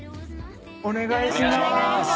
お願いしまーす。